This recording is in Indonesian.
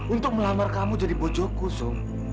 untuk melamar kamu jadi bojoku sum